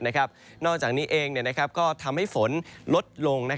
นอกจากนี้เองก็ทำให้ฝนลดลง